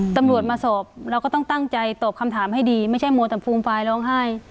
ตำรวจมาสอบเราก็ต้องตั้งใจตอบคำถามให้ดีไม่ใช่มัวแต่ภูมิฟายร้องไห้